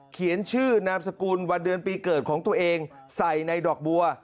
เขียนชื่อนามสกุลวันเดือนปีเกิดของตัวเองใส่ในดอกบัว